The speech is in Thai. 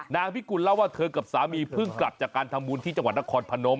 พิกุลเล่าว่าเธอกับสามีเพิ่งกลับจากการทำบุญที่จังหวัดนครพนม